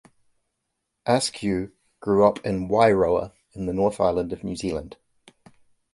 Askew grew up in Wairoa in the North Island of New Zealand.